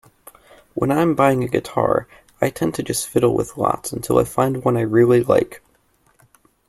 When I'm buying a guitar I tend to just fiddle with lots until I find one I really like.